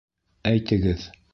Әйтегеҙ.